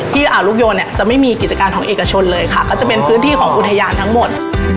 อ่าลูกโยนเนี่ยจะไม่มีกิจการของเอกชนเลยค่ะก็จะเป็นพื้นที่ของอุทยานทั้งหมด